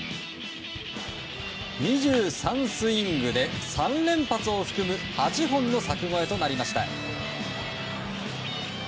２３スイングで、３連発を含む８本の柵越えとなりました。